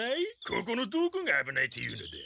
ここのどこがあぶないと言うのだ？